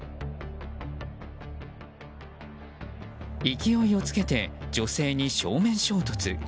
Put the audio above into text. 勢いをつけて女性に正面衝突。